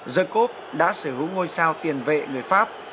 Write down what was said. jacob đã sở hữu ngôi sao tiền vệ người pháp